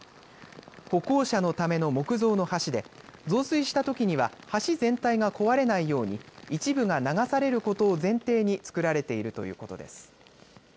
歩行者のための木造の橋で増水したときには橋全体が壊れないように一部が流されることを前提につくられているということです。